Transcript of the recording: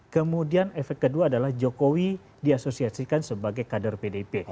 kemudian efek kedua adalah jokowi diasosiasikan sebagai kader pdip